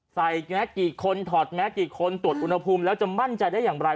แก๊สกี่คนถอดแมสกี่คนตรวจอุณหภูมิแล้วจะมั่นใจได้อย่างไร